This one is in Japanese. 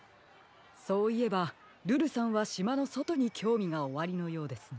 そういえばルルさんはしまのそとにきょうみがおありのようですね。